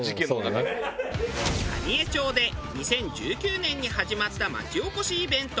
蟹江町で２０１９年に始まった町おこしイベント